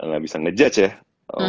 gak bisa ngejudge ya